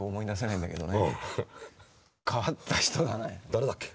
誰だっけ。